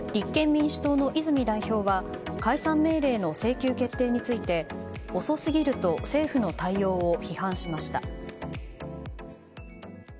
一方、立憲民主党の泉代表は解散命令の請求決定について遅すぎると政府の対応を批判しました。